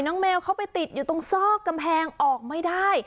แมวเขาไปติดอยู่ตรงซอกกำแพงออกไม่ได้